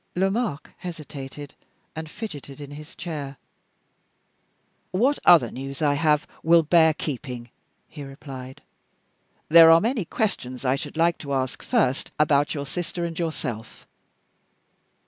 Lomaque hesitated, and fidgeted in his chair. "What other news I have will bear keeping," he replied. "There are many questions I should like to ask first, about your sister and yourself.